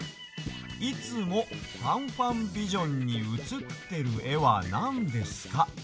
「いつもファンファンビジョンにうつってるえはなんですか？」。